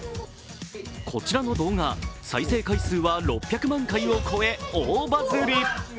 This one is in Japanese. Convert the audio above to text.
こちらの動画、再生回数は６００万回を超え、大バズリ。